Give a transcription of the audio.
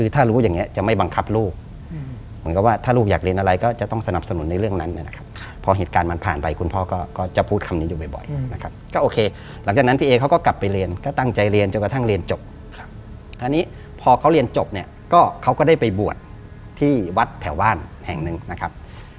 ที่วัดแถวบ้านแห่งนึงนะครับ